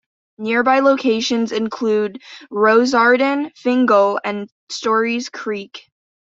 Nearby locations include Rossarden, Fingal and Storys Creek.